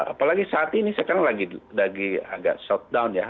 apalagi saat ini sekarang lagi agak shutdown ya